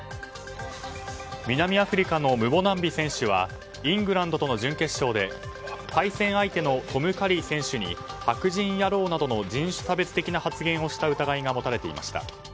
南アフリカのムボナンビ選手はイングランドとの準決勝で対戦相手のトム・カリー選手に白人野郎などの人種差別的な発言をした疑いが持たれていました。